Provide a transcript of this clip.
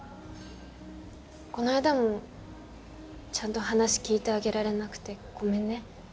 この間もちゃんと話聞いてあげられなくてごめんね。